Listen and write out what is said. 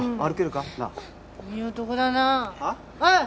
ああ？